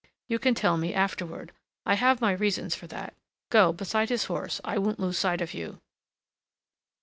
You can tell me afterward: I have my reasons for that. Go beside his horse I won't lose sight of you."